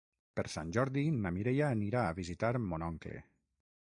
Per Sant Jordi na Mireia anirà a visitar mon oncle.